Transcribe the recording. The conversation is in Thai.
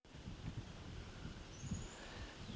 ร้านสามารถตรียมไซค์